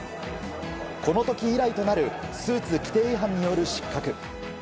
この時以来となるスーツ規定違反による失格。